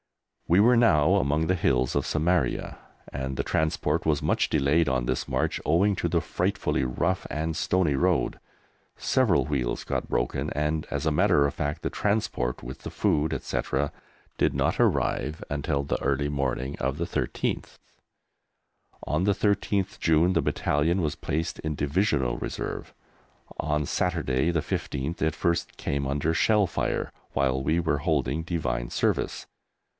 We were now among the hills of Samaria and the transport was much delayed on this march owing to the frightfully rough and stony road. Several wheels got broken and, as a matter of fact, the transport, with the food, etc., did not arrive until the early morning of the 13th. On the 13th June the Battalion was placed in Divisional Reserve. On Saturday the 15th it first came under shell fire while we were holding Divine Service.